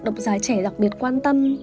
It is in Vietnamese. đọc giả trẻ đặc biệt quan tâm